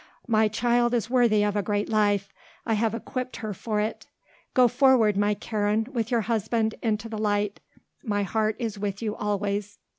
My child is worthy of a great life, I have equipped her for it. Go forward, my Karen, with your husband, into the light. My heart is with you always.